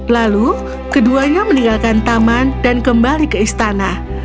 lalu keduanya meninggalkan taman dan kembali ke istana